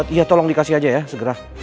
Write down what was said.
iya tolong dikasih aja ya segera